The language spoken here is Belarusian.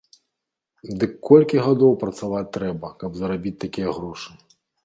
Дык колькі гадоў працаваць трэба, каб зарабіць такія грошы?